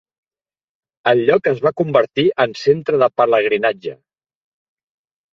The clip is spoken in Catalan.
El lloc es va convertir en centre de pelegrinatge.